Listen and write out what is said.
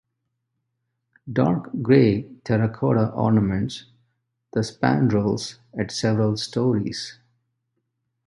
Dark gray terracotta ornaments the spandrels at several stories.